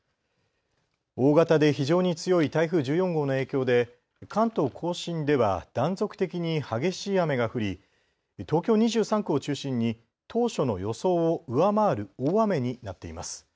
大型で非常に強い台風１４号の影響で関東甲信では断続的に激しい雨が降り東京２３区を中心に当初の予想を上回る大雨になっています。